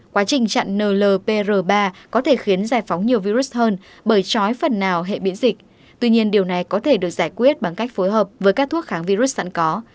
quá trình chặn nlpr ba có thể khiến giải phóng nhiều virus hơn bởi trói phần nào hệ biến dịch tuy nhiên điều này có thể được giải quyết bằng cách phối hợp với các thuốc kháng virus sẵn có